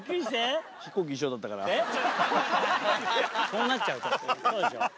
そうなっちゃうから。